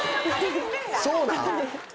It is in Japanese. そうなん？